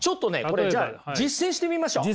これじゃあ実践してみましょう！